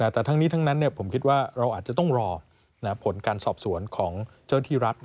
แต่ทั้งนี้ทั้งนั้นผมคิดว่าเราอาจจะต้องรอผลการสอบสวนของเจ้าที่รัฐ